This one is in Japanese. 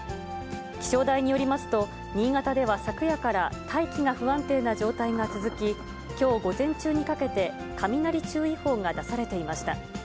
気象台によりますと、新潟では昨夜から大気が不安定な状態が続き、きょう午前中にかけて、雷注意報が出されていました。